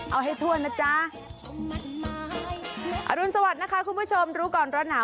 เอาให้ทั่วนะจ๊ะอรุณสวัสดิ์นะคะคุณผู้ชมรู้ก่อนร้อนหนาว